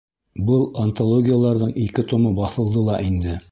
Был антологияларҙың ике томы баҫылды ла инде.